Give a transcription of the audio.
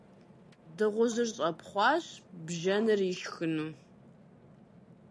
Дыгъужьыр щӀэпхъуащ, бжэныр ишхыну.